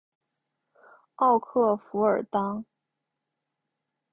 奥克弗尔当。